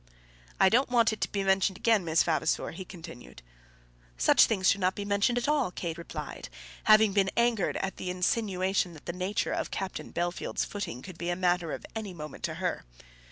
"I don't want it to be mentioned again, Miss Vavasor," he continued. "Such things should not be mentioned at all," Kate replied, having been angered at the insinuation that the nature of Captain Bellfield's footing could be a matter of any moment to her.